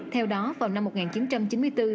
theo đó vào năm một nghìn chín trăm chín mươi bốn